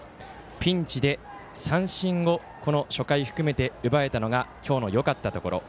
ピンチで三振を初回含めて奪えたのが今日のよかったところ。